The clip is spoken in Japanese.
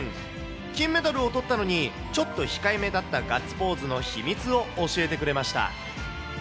金メダルをとったのに、ちょっと控えめだったガッツポーズの秘密を教えてくれました。